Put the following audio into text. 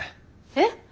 えっ？